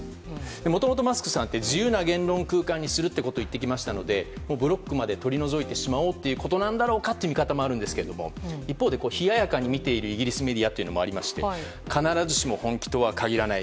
もともとマスクさんは自由な言論空間にするということを言ってきましたのでブロックまで取り除いてしまおうということなんだろうという見方ですがこういったイギリスメディアもありまして必ずしも本気とは限らない。